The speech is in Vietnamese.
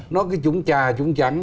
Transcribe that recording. nó cứ trúng trà trúng trắng